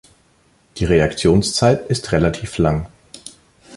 Die Reaktionszeit ist relativ lang.